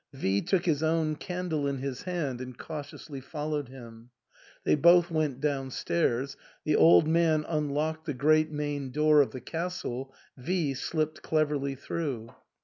V took his own candle in his hand and cautiously followed him. They both went down stairs ; the old man unlocked the great main door of the castle, V slipped cleverly through.